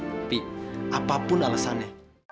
opi apapun alasannya